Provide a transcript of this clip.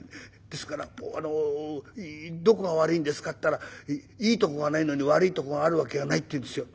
「ですからあのどこが悪いですかって言ったらいいとこがないのに悪いとこがある訳がないって言うんですよ。